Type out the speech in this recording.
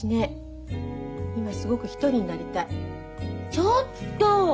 ちょっと！